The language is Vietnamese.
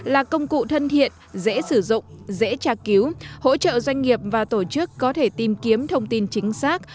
là công cụ thân thiện dễ sử dụng dễ tra cứu hỗ trợ doanh nghiệp và tổ chức có thể tìm kiếm thông tin chính xác